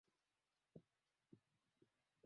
yako yote kukimbia kutoka sehemu moja hadi